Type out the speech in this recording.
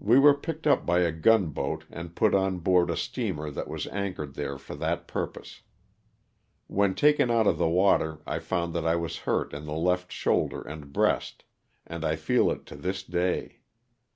We were picked up by a gunboat and put on board a steamer that was anchored there for that purpose. When taken out of the water I found that I was hurt in the left shoulder and breast, and I feel it to this day.